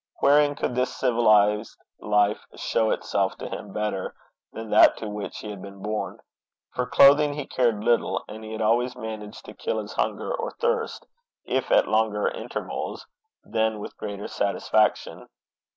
Wherein could this civilized life show itself to him better than that to which he had been born? For clothing he cared little, and he had always managed to kill his hunger or thirst, if at longer intervals, then with greater satisfaction.